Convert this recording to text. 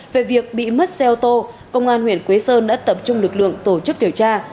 về việc bị mất xe ô tô công an huyện quế sơn đã tập trung lực lượng tổ chức điều tra